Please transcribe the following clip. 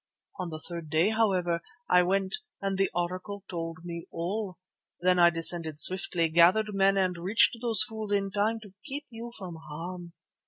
On the third day, however, I went and the Oracle told me all. Then I descended swiftly, gathered men and reached those fools in time to keep you from harm.